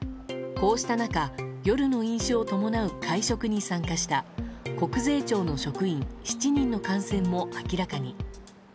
こうした中夜の飲酒を伴う会食に参加した国税庁の職員７人の感染も明らかに。